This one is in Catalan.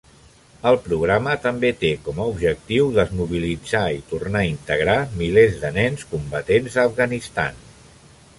El programa també té com a objectiu desmobilitzar i tornar a integrar milers de nens combatents a Afganistan.